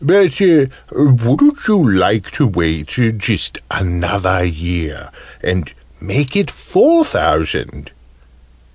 "But wouldn't you like to wait just another year, and make it four thousand?